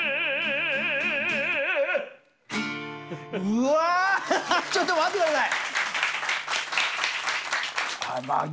うわー、ちょっと待ってください。